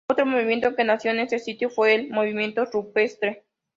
Otro movimiento que nació en este sitio fue el Movimiento Rupestre.